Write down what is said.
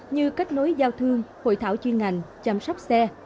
như kết nối giao thương hội thảo chuyên ngành chăm sóc xe